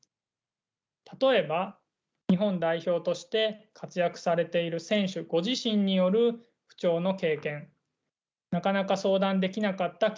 例えば日本代表として活躍されている選手ご自身による不調の経験なかなか相談できなかった経験